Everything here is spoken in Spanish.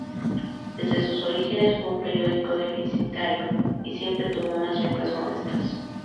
Desde sus orígenes fue un periódico deficitario, y siempre tuvo unas ventas modestas.